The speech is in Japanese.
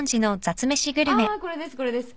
あこれですこれです。